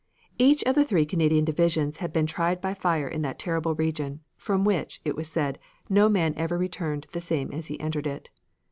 Each of the three Canadian divisions had been tried by fire in that terrible region, from which, it was said, no man ever returned the same as he entered it.